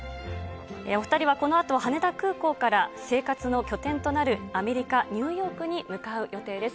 お２人はこのあと、羽田空港から生活の拠点となるアメリカ・ニューヨークに向かう予定です。